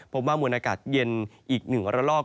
พบว่ามันอากาศเย็นอีกหนึ่งระลอก